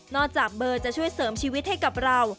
จากเบอร์จะช่วยเสริมชีวิตให้กับเรา